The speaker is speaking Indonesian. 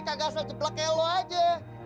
nggak asal jeblak kayak lo aja